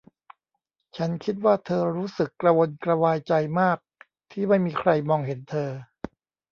ฉันคิดว่าเธอรู้สึกกระวนกระวายใจมากที่ไม่มีใครมองเห็นเธอ